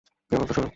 কেবল তো শুরু।